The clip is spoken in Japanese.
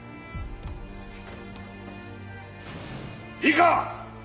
いいか！